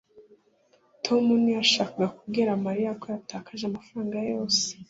tom ntiyashakaga kubwira mariya ko yatakaje amafaranga ye yose